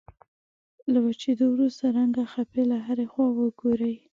له وچېدو وروسته رنګه خپې له هرې خوا وګورئ.